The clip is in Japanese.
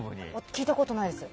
聞いたことないです。